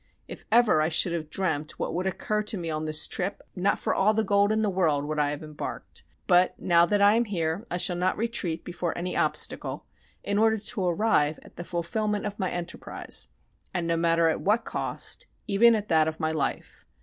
If ever I should have dreamt what would occur to me in this trip, not for all the gold in the world would I have embarked. But, now that I am here, I shall not retreat before any obstacle, in order to arrive at the fulfillment of my enterprise, and no matter at what cost, even at that of my life.